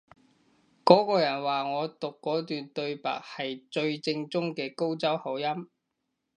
嗰個人話我讀嗰段對白係最正宗嘅高州口音